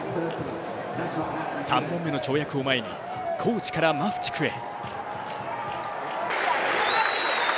３本目の跳躍を前にコーチからマフチクへ。